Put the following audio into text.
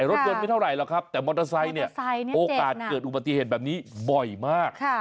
รถยนต์ไม่เท่าไหร่หรอกครับแต่มอเตอร์ไซค์เนี่ยโอกาสเกิดอุบัติเหตุแบบนี้บ่อยมาก